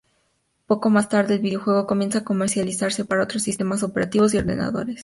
Poco más tarde, el videojuego comienza a comercializarse para otros sistemas operativos y ordenadores.